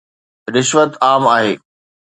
رشوت عام آهي.